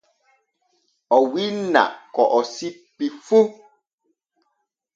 O winna ko o sippi fu.